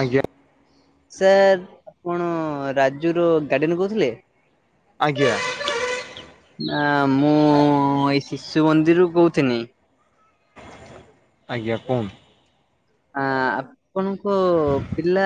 ଆଜ୍ଞା ସାର୍ କଣ ରାଜୁ ର ଗାର୍ଡିଆନ କହୁଥିଲେ? ଆଜ୍ଞା ନା ମୁଁ ଏଇ ଶିଶୁ ମନ୍ଦିରରୁୁ କହୁଥିଲି। ଆଜ୍ଞା କୁହନ୍ତୂ ଆ ଆପଣଙ୍କ ପିଲା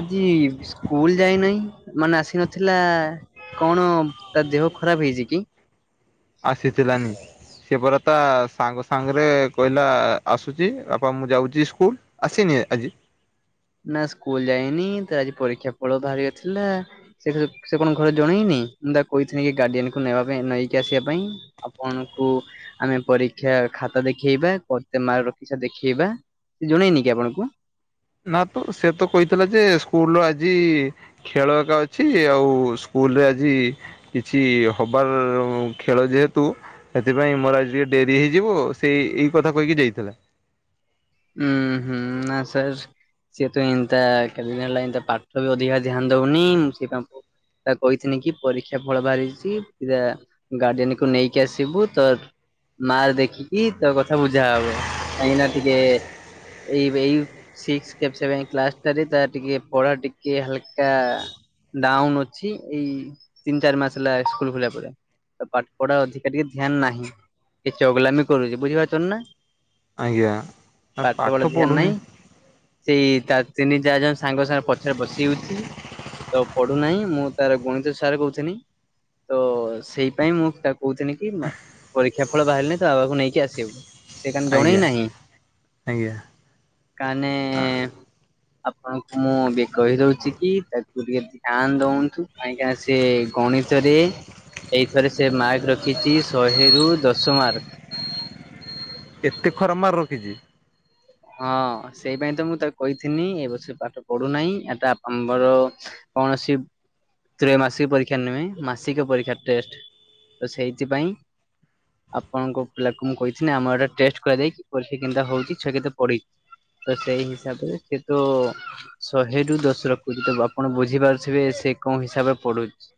ଆଜି ସ୍କୁଲ ଯାଇନାହିଁ ମାନେ ଆସି ନଥିଲା। କଣ ତା ଦେହ ଖରାପ ହେଇଛି କି? ଆସିଥିଲାନି? ସେପରା ତା ସାଙ୍ଗ ସାଙ୍ଗରେ କହିଲା ଆସୁଛି ବାପା ମୁଁ ଯାଉଛି ସ୍କୁଲ। ଆସିନି ଆଜି? ନା ସ୍କୁଲ ଯାଇନି ତ ଆଜି ପରୀକ୍ଷା ଫଳ ବାହାରି ଵାର ଥିଲା। ସେ ସେ କଣ ଘରେ ଜଣେଇନି ମୁଁ ତାକୁ କହିଥିଲି କି ଗାର୍ଡିଆନକୁ ନେବା ପାଇଁ ନେଇକି ଆସିବା ପାଇଁ। ଆପଣଙ୍କୁ ଆମେ ପରୀକ୍ଷା ଖାତା ଦେଖେଇବା, କେତେ ମାର୍କ ରଖିଛ ଦେଖେଇବା। ସିଏ ଜଣେଇନି କି ଆପଣଙ୍କୁ? ନା ତ ସେ ତ କହିଥିଲା ଯେ ସ୍କୁଲରେ ଆଜି ଖେଳ ଏକା ଅଛି ଆଉ ସ୍କୁଲରେ ଆଜି କିଛି ହବାର ଖେଳ ଯେହେତୁ ସେଥିପାଇଁ ମୋର ଆଜି ଟିକେ ଡେରି ହେଇଯିବ ସେଇ ଏଇ କଥା କହିକି ଯାଇଥିଲା। ହୁଁ ହୁଁ ନା ସାର୍ ସିଏ ତ ଏଇନ୍ତା କେତେ ଦିନ ହେଲା ଏନ୍ତା ପାଠ ବି ଅଧିକା ଧ୍ୟାନ ଦଉନି ମୁଁ ସେଇଥିପାଇଁ ତାକୁ କହିଥିଲି କି ପରୀକ୍ଷା ଫଳ ବାହାରିଛି ପିଲା ଗାର୍ଡିଆନକୁ ନେଇକି ଆସିବୁ ତ ମାର୍କ ଦେଖିକି ତୋ କଥା ବୁଝାହବ କାହିଁକିନା ଟିକେ ଏଇ ଏଇ ସିକ୍ସ ସେଭେନ କ୍ଲାସ ଟାରେ ତାର ଟିକେ ପଢା ଟିକେ ହାଲକା ଡାଉନ ଅଛି, ଏଇ ତିନି ଚାରି ମାସ ହେଲା ସ୍କୁଲ ଖୋଲିବା ପରେ। ପାଠ ପଢା ଅଧିକା ଟିକେ ଧ୍ୟାନ ନାହିଁ ଚଗଲାମି କରୁଛି ବୁଝିପାରୁଛନ୍ତି ନା? ଆଜ୍ଞା ଆଉ ପାଠ ପାଠପଢା ଧ୍ୟାନ ପଢୁନି ନାହିଁ ସେଇ ତା ତିନି ଚାରି ଜଣ ସାଙ୍ଗ ସାଙ୍ଗରେ ପଛରେ ବସିଯାଉଛି ତ ପଢୁନାହିଁ ମୁଁ ତାର ଗଣିତ ସାର କହୁଥିନୀ ତ ସେଇପାଇଁ ମୁଁ ତାକୁ କହୁଥିଲି କି ପରୀକ୍ଷା ଫଳ ବାହାରିଲେ ତୋ ବାବାକୁ ନେଇକି ଆସିିବୁ। ଆଜ୍ଞା ଆଜ୍ଞା କାନେ [inaudible] ଆପଣଙ୍କୁ ମୁଁ ବି କହି ଦଉଛି କି ତାକୁ ଟିକେ ଧ୍ୟାନ ଦନ୍ତୁ କାହିଁକି ନା ସେ ଗଣିତରେ ଏଇଥରେ ସେ ମାର୍କ ରଖିଛି ଶହେରୁ ଦଶ ମାର୍କ। ଏତେ ଖରାପ ମାର୍କ ରଖିଛି। ହଁ ସେଇପାଇ ତ ମୁଁ ତାକୁ କହିଥିନି ଏ ବର୍ଷ ସେ ପାଠ ପଢୁନାହିଁ ଏଟା ଆମର କୌଣସି ତ୍ରୟ ମାସିକ ପରୀକ୍ଷା ନୁହେଁ ମାସିକ ପରୀକ୍ଷା ଟେଷ୍ଟ ତ ସେଇଥିପାଇଁ ଆପଣଙ୍କ ପିଲାକୁ ମୁଁ କହିଥିଲି ଆମର ଏଟା ଟେଷ୍ଟ କରାଇକି ପରକ୍ଷା କେନ୍ତା ହଉଛି ଛୁଆ କେତେ ପଢେ ତ ସେଇ ହିସାବରେ ସେ ତ ଶହେରୁୁ ଦଶ ରଖୁଛି ତ ଆପଣ ବୁଝିପାରୁଥିବେ ସେ କଉଁ ହିସାବରେ ପଢ଼ୁଛି।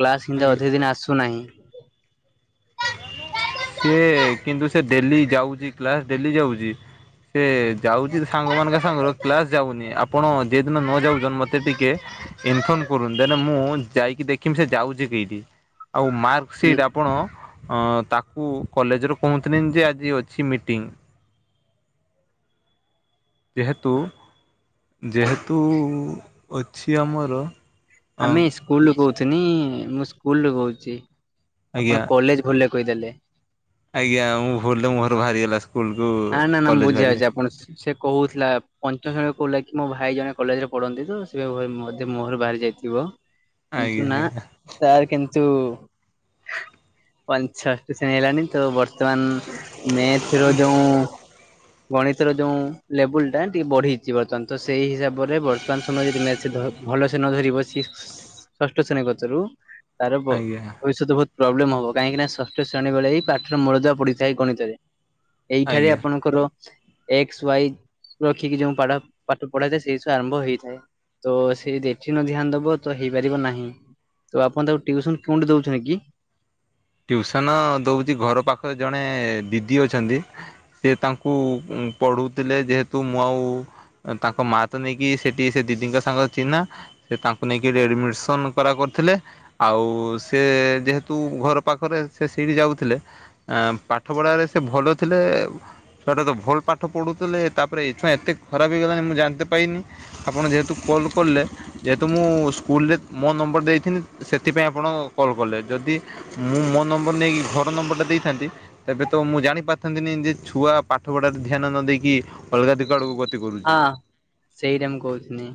କ୍ଲାସ ଆଜ୍ଞା। ହିନ୍ଦା ଅଧେ ଦିନ ଆସୁନାହିଁ। ସି କିନ୍ତୁ ସେ ଡେଲି ଯାଉଛି କ୍ଲାସ ଡେଲି ଯାଉଛି। ସେ ଯାଉଛି ସାଙ୍ଗ ମାନଙ୍କ ସାଙ୍ଗରେ କ୍ଲାସ ଯାଉନି ଆପଣ ଆପଣ ଯେ ଏ ଦିନ ନ ଯାଉଛନ୍ତି ମୋତେ ଟିକେ ଇନଫର୍ମ କରୁନ ଦେନ ମୁଁ ଯାଇକି ଦେଖମି ସେ ଯାଉଛି କେଁଠି ଆଉ ମାର୍କ ସିଟ୍ ଆପଣ ଅ ତାକ କୁ କଲେଜ ରୁ କୁହଁଥିନି ଯେ ଆଜି ଅଛି ମିଟିଙ୍ଗ। ଯେହେତୁ ଯେହେତୁ ଅଛି ଆମର ଅଁ ଆମେ ସ୍କୁଲୁ କହୁଥିଲ ମୁଁ ସ୍କୁଲ ରୁ କୋହୁଛି ଆଜ୍ଞା। ଆପଣ କଲେଜ ଭୁଲ କହିଦେଲେ। ଆଜ୍ଞା ମୁଁ ଭୁଲରେ ମୁଁହରୁ ବାହାରିଗଲା ସ୍କୁଲକୁୁ ନା ନା ନା ମୁଁ କଲେଜ ବୁଝିଯାଉଛି ବାହାରିଗଲା। ଆପଣ ସେ କହୁଥିଲା ପଞ୍ଚମ ଶ୍ରେଣୀରେ କହୁଥିଲା କି ମୋ ଭାଇ ଜଣେ କଲେଜରେ ପଢନ୍ତି ତ ସେ ଭାବେ ମ ଯେ ମୋର ଭାଇ ଯାଇଥିବ କିନ୍ତୁ ଆଜ୍ଞା ନା। ତାର କିନ୍ତୁ ପଞ୍ଚଷ ଶେଣୀ ହେଲାଣି ତ ବର୍ଷ ବର୍ତ୍ତମାନ ମେଥ୍ ର ଯୋଉ ଗଣିତର ଯୋଉ ଲେବୁଲ ଟା ଟିକେ ବଢିଛି ବର୍ତ୍ତମାନ ତ ସେଇ ହିସାବରେ ବର୍ତ୍ତମାନ ସମୟ ରେ [unintelligible] ଭଲସେ ନ ଧରି ବସି ଷଷ୍ଠ ଶ୍ରେଣୀ କତିରୁ ତାର ଆଜ୍ଞା ଭ ଆଜ୍ଞା ଭବଷ୍ୟତ ପ୍ରୋବ୍ଲେମ୍ ହେବ କାହିଁକି ନା ଷଷ୍ଠ ଶ୍ରେଣୀେ ବେଳେ ହି ପାଠର ମୂଳଦୁଆ ପଡ଼ିଥାଏ ଗିତରେ। ଏଇଠାରେ ଆଜ୍ଞା। ଆପଣଙ୍କର ଏକ୍ସ ୱାଇ ରଖିକି ଯୋଉ ପାଡ ପାଠ ପଢାଯାଏ ସେଇସବୁ ଆରମ୍ଭ ହେଇଥାଏ। ତୋ ସେ ଯଦି ଏଠି ନ ଧ୍ୟାନ ଦବ ତ ହେଇପାରିବ ନାହିଁ। ତ ଆପଣ ତାକୁ ଟିଉସନ କେଉଁଠି ଦେଉଛନ୍ତି କି? ଟ୍ୟୁସନ ଦଉଛି ଘର ପାଖରେ ଜଣେ ଦିଦି ଅଛନ୍ତି ସେ ତାଙ୍କୁ ଉଁ ପଢ଼ୁଥିଲେ ଯେହେତୁ ମୁଁ ଆଉ ତାଙ୍କ ମା ତ ନେଇକି ସେଠି ସେ ଦିଦିଙ୍କ ସାଙ୍ଗରେ ଚିହ୍ନା ସେ ତାଙ୍କୁ ନେଇକି ରେଡ଼ମିସନ କରା କରିଥିଲେ ଆଉ ସେ ଯେହେତୁ ଘର ପାଖରେ ସେ ସେଇଠି ଯାଉଥିଲେ ଆଁ ପାଠ ପଢ଼ାରେ ସେ ଭଲ ଥିଲେ ଛୁଆଟା ତ ଭଲ ପାଠ ପଢ଼ୁଥିଲେ ତାପରେ ଏଇ ଛୁଆଁ ଏତେ ଖରାପ ହେଇଗଲାଣି ମୁଁ ଜାଣିିତେ ପାଇନି ଆପଣ ଯେହେତୁ କଲ୍ କଲେ ଯେହେତୁ ମୁଁ ସ୍କୁଲରେ ମୋ ନମ୍ବର ଦେଇଥିନି ସେଥିପାଇଁ ଆପଣ କଲ୍ କଲେ ଯଦି ମୁଁ ମୋ ନମ୍ବର ନେଇକି ଘର ନମ୍ବରଟା ଦେଇଥାନ୍ତି ତେବେ ତ ମୁଁ ଜାଣି ପାରଥାନ୍ତିନି ଯେ ଛୁଆ ପାଠ ପଢାରେ ଧ୍ୟାନ ନ ଦେଇେଇକି ଅଲଗା ଦିକା ଆଡ଼କୁ ଗ ହଁ ସେଇଟା ମୁଁ କହୁିଥିନି।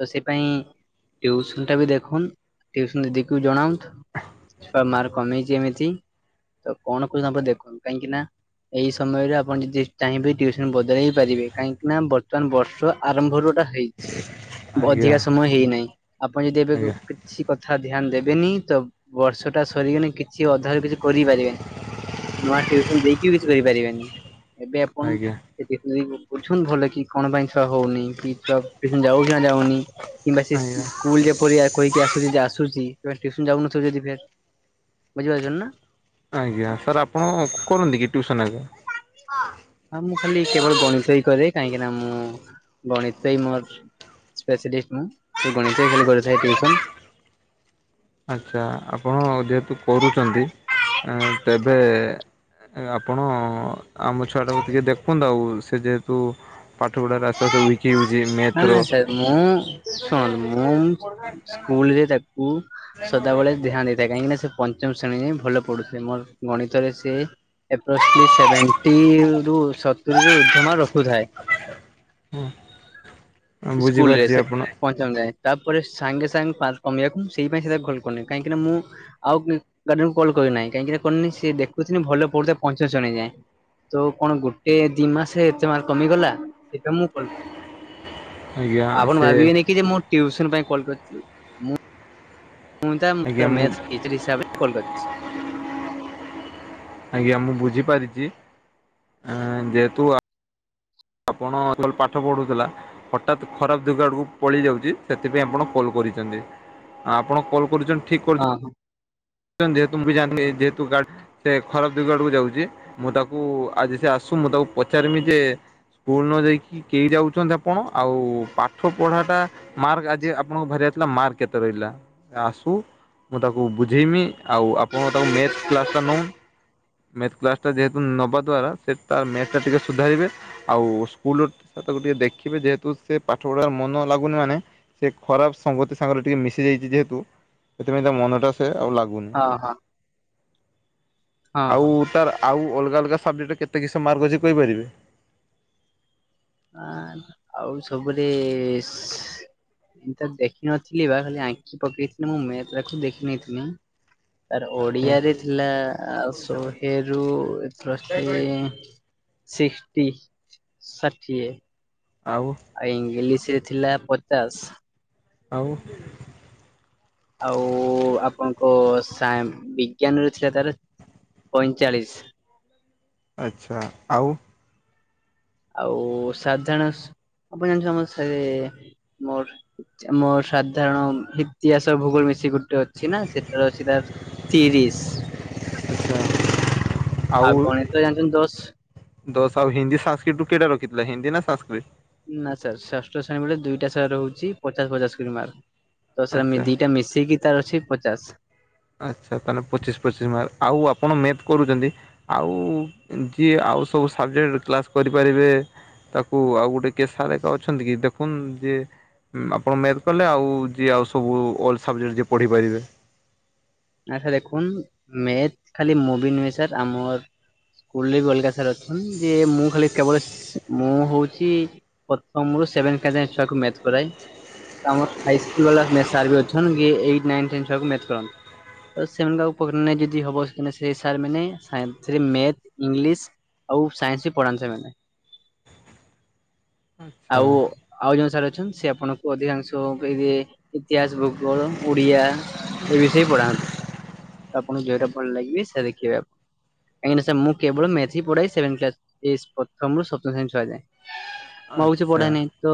ତ ସେ ପାଇଁ ଟିଉସନ ଟା ବି ଦେଖନ୍ତୁ ଟିଉସନ ଦିଦିକୁ ଜଣାଉନ ଛୁଆ ମାର୍କ କମେଇଛିି ଏମିତି ତ କଣ କଣଖିଭାବେ ଦେଖନ୍ତୁ କାହିଁକି ନା ଏଇ ସମୟରେ ଆପଣ ଯଦି ଚାହିଁବେ ଟିଉ ସନ ବଦଳେଇ ପାରିବେ କାହିଁକି ନା ବର୍ତ୍ତମାନ ବର୍ଷ ଆରମ୍ଭରୁ ଏଟା ହେଇଚି ଆଜ୍ଞା ଭଜିକା ସମୟ ହେଇନାହିଁ। ଆପଣ ଯଦି ଏବେ ଆଜ୍ଞା କିଛି କଥା ଧ୍ୟାନ ଦେବେନି ତ ବର୍ଷ ଟା ସରିକନି କିଛି ଅଧାରୁ କିଛି କରିପାରିବେନି ନୂଆ ଟ୍ୟୁସନ ଦେଇକି ବି କିଛି କରିପାରିବେନି। ଏବେ ଆପଣ ଆଜ୍ଞା ସେ ଟିକ୍ ନିକ୍ ବୁଝନ୍ତୁ ଭଲ କି କଣ ପାଇଁ ଛୁଆ ହଉନେଇଁ କି? ଛୁଆ ଟିଉସନ୍ ଯାଉଚି ନା ଯାଉନି କିମ୍ବା ସେ ଆଜ୍ଞା ସ୍କୁଲ ଯେପରି ଆ କହିକି ଆସୁଛି ଯଦି ଆସୁଛି ବାସ୍ ଟିଉସନ ଯାଉନଥିବ ଯଦି ଫେର ବୁଝିପାରୁଛନ୍ତି ନାଁ। ଆଜ୍ଞା ସାର୍ ଆପଣ କରନ୍ତି କି ଟ୍ୟୁସନ୍ ଆଜ୍ଞା? ହଁ ମୁଁ ଖାଲି କେବଳ ଗଣିତ ହିଁ କରେ କାହିଁକି ନା ମୁଁ ଗଣିତ ହିଁ ମୋର ସ୍ପେସିଡିଟ୍ସ ମୁଁ ଗଣିତ ହିଁ ଖାଲି କରିଥାଏ ଟିଉସନ୍। ଆଚ୍ଛା ଆପଣ ଯେହେତୁ କରୁଛନ୍ତି ଆଁ ତେବେ ଆପଣ ଆମ ଛୁଆଟାକୁ ଟିକେ ଦେଖନ୍ତୁ। ଆଉ ସ ସେ ଯେହେତୁ ପାଠପଢ଼ା ରେ ଆସ୍ତେ ଆସ୍ତେ ଉଇକ୍ ହେଉଛି ମେଥ୍ ନା ର ସାର୍ ମୁଁ ଶୁଣନ୍ତୁ ମୁଁ ସ୍କୁଲରେ ତାକୁ ସଦାବେଳେ ଧ୍ୟାନ ଦେଇଥାଏ କାହିଁକି ନା ସେ ପଞ୍ଚମ ଶ୍ରେଣୀରେ ଭଲ ପଡୁଚି ମୋର ଗଣିତରେ ସେ ପ ସେଭେଣ୍ଟି ରୁ ସତୁରି ରୁ ଉର୍ଦ୍ଧମା ରଖୁଥାଏ [unintelligible] ହଁ ସ୍କୁଲ ରେ ସେ ପ ଏ ତାପରେ ସାଙ୍ଗେ ସାଙ୍ଗେ ପାଞ୍ଚ କମିବାକୁ ସେଇ ପାଇଁ ସେ କଲ୍ କରୁନି କାହିଁକିନା ମୁଁ ଆଉ [unintelligible] କଲ କରି ନାହିଁ କାହିଁକିନା କରିନି ସ ସେ ଦେଖୁଚି ଭଲ ପଢୁଥାଏ ପଞ୍ଚମ ଶ୍ରେଣୀ ଯାଏଁ ତ କଣ ଗୋଟେ ଦି ମାସେ ଏତେ ମାର୍କ କମିଗଲା ସେଇଟା ମୁଁ କଲ୍ କଲିି ଆଜ୍ଞା ଆପଣ ସେ ଭାବିବେନି କି ଯେ ମୁଁ ଟ୍ୟୁଉସନ ପାଇଁ କଲ୍ କରିଛି ମୁଁ ତା ଆଜ୍ଞା ମୁଁ [unintelligible] ଟିଚର ହିସାବରେ କଲ୍ କରିଚି ଆଜ୍ଞା ମୁଁ ବୁଝିପାରିଛି ଯେହେତୁ ଆପଣ ଏତେବେଳ ପାଠ ପଢୁଥିଲା ହଠାତ୍ ଖରାପ ଦୁଗ ଆଡ଼କୁ ପଳେଇଯାଉଛି ସେଥିପାଇଁ ଆପଣ କଲ୍ କରିଛନ୍ତି ଆପଣ କଲ୍ କରିଛନ୍ତି ଠିକ୍ ହଁ ହଁ ଯେହତୁ ମୁଁ ବି ଜାଣିନି ଯେତୁ ଗାଡ ସେ ଖରାପ ଦିଗ ଆଡକୁ ଯାଉଛି ମୁଁ ତାକୁ ଆଜି ସେ ଆସୁ ମୁଁ ତାକୁ ପଚାର୍ମି ଯେ ସ୍କୁଲ ନ ଯାଇକି କେହି ଯାଉଛନ୍ତି ଆପଣ ଆଉ ପାଠ ପଢ଼ାଟା ମାର୍କ ଆଜି ଆପଣଙ୍କୁ ବାହାରିଆଇଥିଲା ମାର୍କ କେତେ ରହିଲା ଆସୁ ମୁଁ ତାକୁ ବୁ ଝେଇମି ଆଉ ଆପଣଙ୍କ ତାକୁ ମ୍ୟାଥ୍ କ୍ଲାସ୍ଟା ନଉ ମ୍ୟାଥ୍ କ୍ଲାସଟା ଯେହେତୁ ନେବା ଦ୍ୱାରା ସେ ତ ମ୍ୟାଥ୍ ଟା ଟିକେ ସୁଧାରିବେ ଆଉ ସ୍କୁଲ ଟିକେ ଦେଖିବେ ଯେହେତୁ ସେ ପାଠ ପଢାର ମନ ଲାଗୁନି ମାନେ ସେ ଖରାପ ସଙ୍ଗତି ସାଙ୍ଗରେ ଟିକେ ମିଶି ଯାଇଛି ଯେହେତୁ ସେଥିପାଇଁ ତା ମନଟା ତାଉ ଲାଗୁନି ହଁ ହଁ ହଁ ଆଉ ତାର ଆଉ ଅଲଗା ଅଲଗା ସବଜେକ୍ଟରେ କେତେ କିସ ମାର୍କ ଅଛି କହିପାରିବେ ଆ ଆଉ ସବୁରେ ଏ ତ ଦେଖିନଥିଲି ବା ଖାଲି ଆଂଖି ପକେଇଥିଲି ମୁଁ ମେଥ୍ ଟା କୁ ଦେଖିନଥିଲି ତାର ହୁଁ ଓଡିଆରେ ଥିଲା ସହେରୁ ଅଫ୍ରେକ୍ସି ସିକ୍ସଟି ଷାଠିଏ ଆଉ ଆଉ ଇଂଲିଶ ରେ ଥିଲା ପଚାଶ୍ ଆଉ ଆଉ ଆପଣଙ୍କ ସାଇନ୍ ବିଜ୍ଞାନ ର ଥିଲା ତାର ପଇଁଚାଳିଶ ଆଚ୍ଛା ଆଉ ଆଉ ସାଧାରଣ ଆପଣ [unintelligible] ଆମର ମୋର ମ ସାଧାରଣ ଇତିହାସ ଭୂଗୋଳ ମିଶି ଗୋଟେ ଅଛି ନା ସେଟାର ଅଛି ତାର ତିରିଶ୍ ଆଚ୍ଛା ଆଉ ଗଣିତ ଜାଣିଛନ୍ତି ଦଶ ଦଶ ଆଉ ହିନ୍ଦୀ ସଂସ୍କିଟ୍ କେତେ ରଖିଥିଲା ହିନ୍ଦୀ ନା ସଂସ୍କୃତ ନା ସାର୍ ଷଷ୍ଠ ଶ୍ରେଣୀ ବେଳେ ଦୁଇଟା ସାର୍ ରହୁଛି ପଚାଶ ପଚାଶ କରି ମାର୍କ ତ ସେମି ଆଚ୍ଛା ସେଟା ଦିଟା ମିଶେଇିକି ତାର ଅଛି ପଚାଶ ଆଚ୍ଛା ତାହେଲେ ପଚିଶ୍ ପଚିଶ୍ ମାର୍କ ଆଉ ଆପଣ ମେଥ୍ କରୁଛନ୍ତି ଆଉ ଯିଏ ଆଉ ସବୁ ସବଜେକ୍ଟ କ୍ଲାସ୍ କରିପାରିବେ ତାକୁ ଆଉ ଗୋଟେ କେ ସାର୍ ଏକା ଅଛନ୍ତି କି ଦେଖୁନ୍ ଯେ ଆପଣ ମେଲ କଲେ ଆଉ ଯିଏ ଆଉ ସବୁ ଅଲ ସବଜେକ୍ଟ ଯିଏ ପଢ଼ିପାରିବେ। ଆ ସାର୍ ଦେଖନ ମେଥ ଖାଲି ମୁଁ ବି ନୁହେଁ ସାର୍ ଆମର ସ୍କୁଲରେ ବି ଅଲଗା ସାର୍ ଅଛନ୍ତି। [unintelligible] ମୁଁ ଖାଲି କେବଳ ମୁଁ ହଉଛି ପ୍ରଥମରୁ ସେଭେନ୍ କ୍ଲାସ ଛୁଆକୁ ମେଥ କରାଏ। ଆମର ହାଇସ୍କୁଲ ବାଲା ସାର୍ ବି ଅଛନ୍ତି କି ଏଇଟ ନାଇନ୍ ଟେନ୍ ଛୁଆକୁ ମେଥ କରନ୍ତି। ତ ସେମାନଙ୍କ ଉପକାର ଯଦି ହବ ସେ ସେ ସାର୍ ମାନେ ସାଇନ୍ସ, ମେଥ, ଇଂଲିଶ ଆଉ ସାଇନ୍ସ ବି ପଢାନ୍ତି ସେମାନେ। [inaudible] ଆଚ୍ଛା ଆଉ ଆଉ ଯୋଉ ସାର୍ ଅଛନ୍ତି ସେ ଆପଣଙ୍କୁ ଅଧିକାଂଶ କହିବେ ଇତିହାସ, ଭୂଗୋଳ, ଓଡିଆ ଏ ବିଷୟରେ ପଢାନ୍ତି। ତ ଆପଣଙ୍କୁ ଜଉଟା ଭଲ ଲାଗିବ ସେ ଦେଖିବେ ଆପଣ। କାହିଁକି ନା ସାର୍ ମୁଁ କେବଳ ମେଥ ହିଁ ପଢାଏ ସେଭନ କ୍ଲାସ, ପ୍ରଥମରୁ ସପ୍ତମ ଶ୍ରେଣୀ ଛୁଆ ଯାଏ। [unintelligible] ମୁଁ ଆଉ କିଛି ପଢେନହି ତ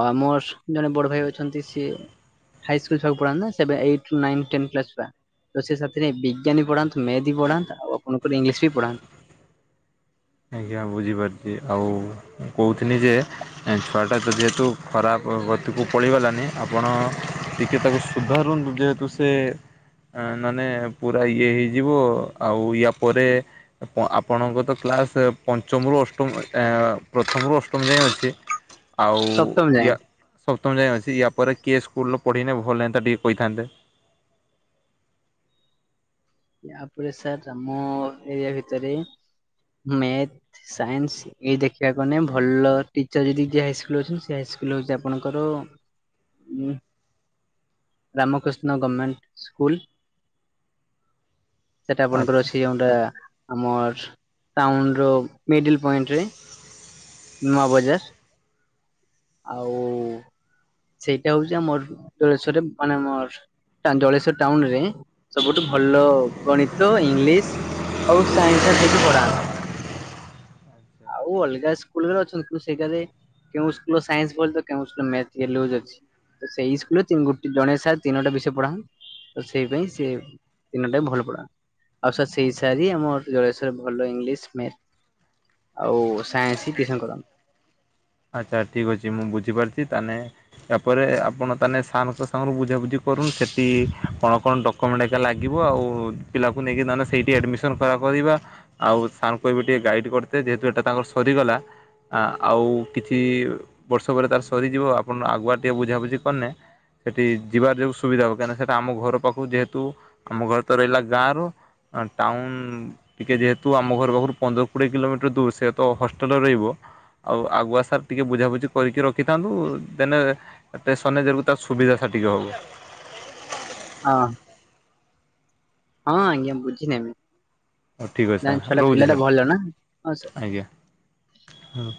ଆମର ଜଣେ ବଡ ଭାଇ ଅଛନ୍ତି ସିଏ ହାଇସ୍କୁଲ ଛୁଆଙ୍କୁ ପଢାନ୍ତି ନା ଏଇଟ ନାଇନ୍ ଟେନ୍ କ୍ଲାସ ଛୁଆ। ତ ସେଥିରେ ବିଜ୍ଞାନ ପଢାନ୍ତି ମେଥ୍ ପଢାନ୍ତି ଆଉ ଆପଣଙ୍କର ଇଂଲିଶ ବି ପଢାନ୍ତି। ଆଜ୍ଞା ବୁଝିପାରୁଛି ଆଉ କହୁିଥିନି ଯେ ଛୁଆଟା ଯେହେତୁ ଖରାପ ଗତିକୁ ପଳେଇଗଲାନି ଆପଣ ଟିକେ ତାକୁ ସୁଧାରନ୍ତୁ ଯେହେତୁ ସେ ସେ ମାନେ ପୁରା ଇଏ ହେଇଯିବ ଆଉ ୟା ପରେ ଆପଣ ଆପଣଙ୍କ ତ କ୍ଲାସ ପଞ୍ଚମରୁ ଅଷ୍ଟମ ଯାଏ ପ୍ରଥମରୁ ଅଷ୍ଟମ ଯାଏ ଅଛି ଆଉ ସପ୍ତମ ଯାଏଁ ୟା ସପ୍ତମଯାଏ ଅଛି ତାପରେ କେ ସ୍କୁଲର ପଢ଼ିଲେ ଭଲ ହେଥାନ୍ତା ଟିକିଏ କହିଥାନ୍ତେ? ୟାପରେ ସାର୍ ଆମ ଏରିଆ ଭିତରେ ମ୍ୟାଥ ସାଇନ୍ସ ଏଇ ଦେଖିବାକୁହେନେ ଭଲ ଟିଚର ଯଦି ଯିଏ ହାଇସ୍କୁଲରେ ଅଛନ୍ତି ସେ ହାଇସ୍କୁଲ ହଉଛି ଆପଣଙ୍କର ହୁଁ, ରାମକୃଷ୍ଣ ଗଭର୍ଣମେଣ୍ଟ ସ୍କୁଲ ସେଟା ଆପଣଙ୍କର ଆଚ୍ଛା ଅଛି ଯୋଉଟା ଆମର ଟାଉନର ମିଡିଲ ପଏଣ୍ଟରେ ନୂଆବଜାର ଆଉ ସେଇଟା ହଉଛି ଆମର ଜଳେଶ୍ୱର ମାନେ ଆମର ଜଳେଶ୍ଵର ଟାଉନରେ ସବୁଠୁ ଭଲ ଗଣିତ ଇଂଲିଶ ସାଇନ୍ସଟା ସେଇଠି ପଢାନ୍ତ୍ ଆଉ ଅଲଗା ସ୍ଲଲରେ ଅଛନ୍ତି କିନ୍ତୁ ସେଇଗୁରାରେ କେଉଁ ସ୍କୁଲ ସାଇନ୍ସ ଭଲ ତ କେଉଁ ସ୍କୁଲର ମେଥ ଲୁଜ ଅଛି। ସେଇ ସ୍କୁଲରେ ଗୋଟେ ଜଣେ ସାର୍ ତିନୋଟି ବିଷୟ ପଢ଼ାନ୍ତି ତ ସେଇପାଇ ସେ ଦିନଟା ଭଲ ପଢ଼ା ଆଉ ସ ସେଇ ସାରି ଆମର ଜଳେସ୍ଵର ଭଲ ଇଂଲିଶ ମେଥ ଆଉ ସାଇନ୍ସ ଟିଉସନ କରନ୍ତି। ଆଚ୍ଛା ଠିକ୍ ଅଛି ମୁଁ ବୁଝିପାରୁଛି ତାହେଲେ ଏହାପରେ ଆପଣ ତାହେଲେ ସାରଙ୍କ ସହ ବୁଝାବୁଝି କରୁନ ସେଠି କଣ କଣ ଡକୁ ଡକ୍ୟୁମେଣ୍ଟ ଏକା ଲାଗିବ ଆଉ ପିଲାକୁ ନେଇକି ନହେଲେ ସେଇଠି ଆଡ଼ମିସନ୍ କରାକରିବା। ଆଉ ସାରଙ୍କୁ କହିବ ଟିକେ ଗାଇଡ଼ କରିବେ ଯେହେତୁ ଏଇଟା ତାଙ୍କର ସରିଗଲା ଆଉ କିଛି ବର୍ଷ ପରେ ତାର ସରିଯିବ ଆପଣ ଆଗୁଆ ଟିକଏ ବୁଝାବୁଝି କରିନେ ସେଠି ଯିବାର ଯୋଗଁ ସୁବିଧା ହବ କାହିଁକିନା ସେଇଟା ଆମ ଘର ପାଖକୁ ଯେହେତୁ ଆମ ଘରେ ତ ରହିଲା ଗାଁରେ ଟାଉନ୍ ଟିକେ ଯେହେତୁ ଆମ ଘର ପାଖରୁ ପନ୍ଦର କୋଡ଼ିଏ କିଲୋମିଟର ଦୂର ସେ ତ ହଷ୍ଟେଲରେ ରହିବ ଆଉ ଆଗୁଆ ସାର୍ ସାର୍ ଟିକେ ବୁଝାବୁଝି କରିକି ରଖିଥାନ୍ତୁ ଦେନ ଟେସନରେ ଯକୁ ତ ସୁବିଧା ସାର୍ ଟିକେ ହବ। [unintelligible] ହଁ ଆଜ୍ଞା ବୁଝି ନେବି ହଉ ଠିକ୍ ଅଛି ସାର୍ [unintelligible] ଛୁଆଟା ରହୁଛି ପିଲା ଟା ଭଲ ନା ହଁ ସାର। ହଁ।